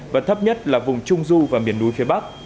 và thấp nhất là vùng trung du và miền núi phía bắc